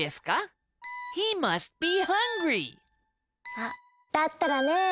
あっだったらねぇ。